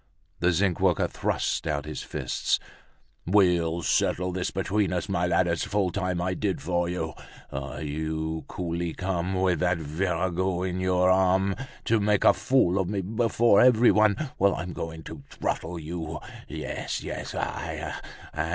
The zinc worker thrust out his fists. "We'll settle this between us, my lad. It's full time I did for you! Ah, you coolly come, with that virago on your arm, to make a fool of me before everyone. Well! I'm going to throttle you—yes, yes, I!